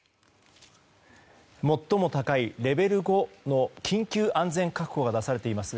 最も高いレベル５の緊急安全確保が出されています